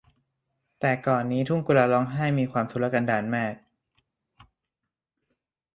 แต่ก่อนนี้ทุ่งกุลาร้องไห้นี้มีความทุรกันดารมาก